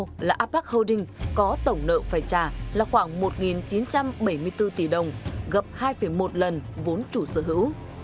mạng lưới là apex holdings có tổng nợ phải trả là khoảng một chín trăm bảy mươi bốn tỷ đồng gặp hai một lần vốn chủ sở hữu